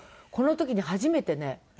この時に初めてね